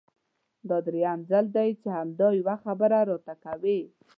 دا درېيم ځل دی چې همدا يوه خبره راته کوې!